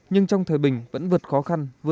nhưng trong thời bình vẫn vượt khó khăn